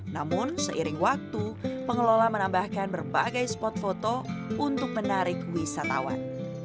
namun seiring waktu pengelola menambahkan berbagai spot foto untuk menarik wisatawan